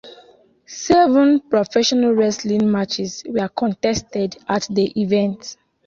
Seven professional wrestling matches were contested at the event.